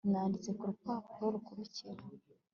Nanditse kurupapuro rukurikira